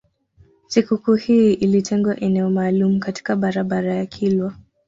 Sikukuu hii ilitengewa eneo maalum katika barabara ya kilwa